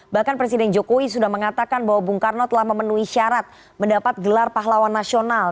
bahkan presiden jokowi sudah mengatakan bahwa bung karno telah memenuhi syarat mendapat gelar pahlawan nasional